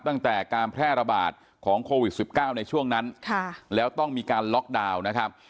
ตั้งแต่การแพร่ระบาดของโควิด๑๙ในช่วงนั้นแล้วต้องมีการล็อกดาวน์นะครับ